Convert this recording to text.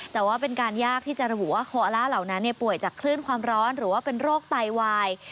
แต่ว่าเป็นการยากที่จะระบุว่าโคอล่าเหล่านั้นป่วยจากคลื่นความร้อนหรือว่าเป็นโรคไตวาย